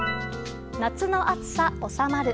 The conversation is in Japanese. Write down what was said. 夏の暑さ、おさまる。